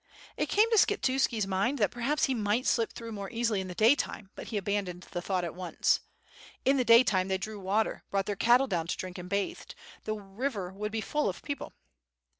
It came to Skshetuski's mind that perhaps he might slip through more easily in the day time, but he abandoned the thought at once. In the day time they drew water, brought their cattle down to drink and bathed; the river would be full of people.